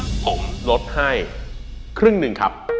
ผมลดให้ครึ่งหนึ่งครับ